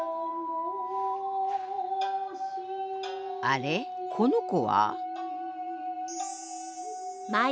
あれこの子は？